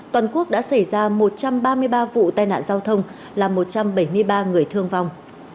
toàn quốc đã xảy ra một trăm ba mươi ba vụ tai nạn giao thông làm một trăm bảy mươi ba người thương vong